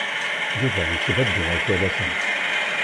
Yuba isbadu akalas-a.